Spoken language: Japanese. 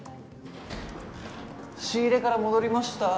仕入れから戻りました。